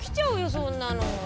そんなの！